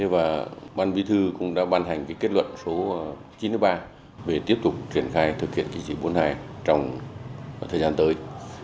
và ban vĩ thư cũng đã ban hành cái kết luận số chín mươi ba về tiếp tục triển khai thực hiện chỉ thị bốn mươi hai trong thời gian tới